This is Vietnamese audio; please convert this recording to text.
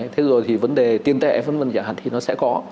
thế rồi thì vấn đề tiền tệ phân vân giả hạn thì nó sẽ có